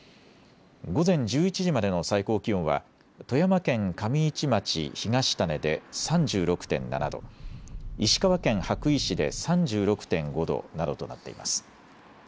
午前１１時までの最高気温は富山県上市町東種で３６．７度、石川県羽咋市で３６．５度などとなっています。